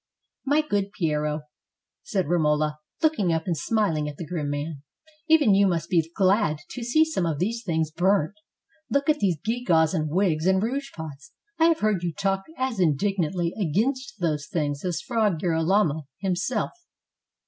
"My good Piero," said Romola, looking up and smil ing at the grim man, "even you must be glad to see some of these things burnt. Look at those gewgaws and wigs and rouge pots: I have heard you talk as indignantly against those things as Fra Girolamo himself."